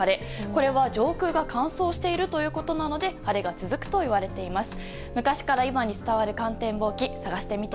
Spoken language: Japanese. これは上空が乾燥しているということなので晴れが続くといわれています。